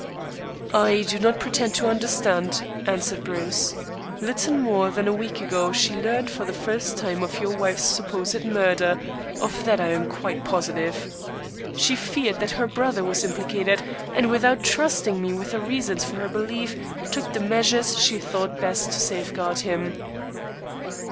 "I do not pretend to understand," answered Bruce. "Little more than a week ago she learned for the first time of your wife's supposed murder. Of that I am quite positive. She feared that her brother was implicated, and, without trusting me with the reasons for her belief, took the measures she thought best to safeguard him."